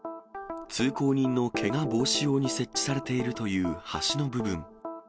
通行人のけが防止用に設置されているという端の部分。